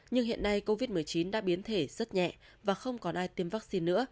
nhưng hiện nay covid một mươi chín đã biến thể rất nhẹ và không còn ai tiêm vaccine nữa